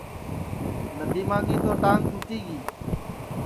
ندیما کی تو ٹانگ ٹُوٹی گی